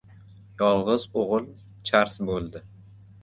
Yolg‘iz o‘g‘il chars bo‘ldi.